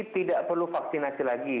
tidak perlu vaksinasi lagi